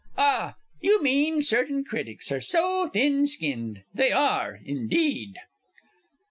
Ah, you mean certain critics are so thin skinned they are: indeed!